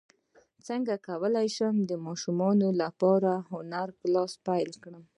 څنګه کولی شم د ماشومانو لپاره د هنر کلاس پیل کړم